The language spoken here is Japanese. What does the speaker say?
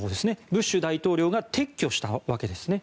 ブッシュ大統領が撤去したわけですね。